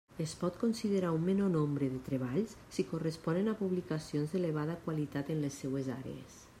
Es pot considerar un menor nombre de treballs si corresponen a publicacions d'elevada qualitat en les seues àrees.